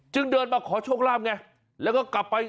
เดินมาขอโชคลาภไงแล้วก็กลับไป